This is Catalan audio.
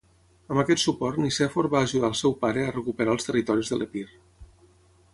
Amb aquest suport Nicèfor va ajudar el seu pare a recuperar els territoris de l'Epir.